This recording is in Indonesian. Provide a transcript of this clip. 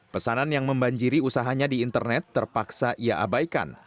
pesanan yang membanjiri usahanya di internet terpaksa ia abaikan